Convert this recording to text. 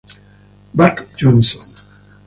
Buck Johnson